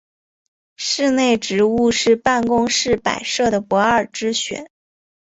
室内植物是办公室摆设的不二之选。